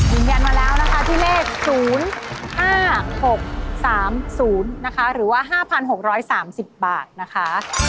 ยืนยันมาแล้วนะคะที่เลข๐๕๖๓๐นะคะหรือว่า๕๖๓๐บาทนะคะ